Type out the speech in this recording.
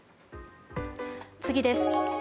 次です。